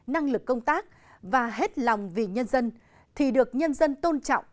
năng lực công tác và hết lòng vì nhân dân thì được nhân dân tôn trọng